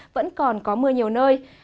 vẫn còn có mưa nhiều nơi